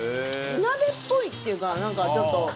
火鍋っぽいっていうかなんかちょっと。